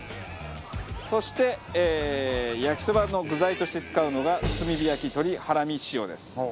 そして焼きそばの具材として使うのが炭火焼鶏はらみ塩です。